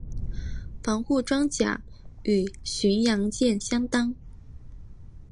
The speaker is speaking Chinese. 防护装甲与巡洋舰相当。